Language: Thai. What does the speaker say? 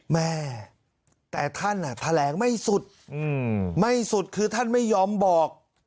แม่แต่ท่านแถลงไม่สุดไม่สุดคือท่านไม่ยอมบอก